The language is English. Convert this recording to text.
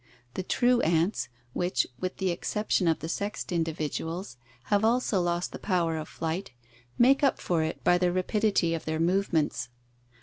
The true ants which, with the exception of the sexed individuals, have also lost the power of flight, make up for it by the rapidity of their movements.